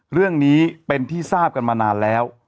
เรื่องนี้เป็นที่ทราบกันมานานแล้ว